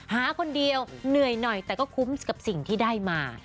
หาคนเดียวเหนื่อยหน่อยแต่ก็คุ้มกับสิ่งที่ได้มา